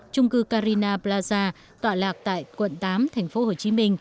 trung cư carina plaza tọa lạc tại quận tám tp hcm